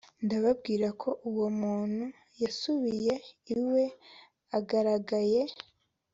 ndababwira ko uwo muntu yasubiye iwe agaragaye